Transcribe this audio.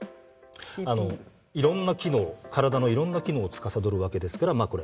いろんな機能体のいろんな機能をつかさどるわけですからまあこれ。